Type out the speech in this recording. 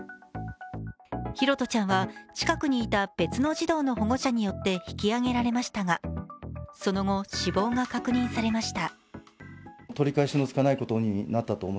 拓杜ちゃんは、近くにいた別の児童の保護者によって引き揚げられましたがその後、死亡が確認されました。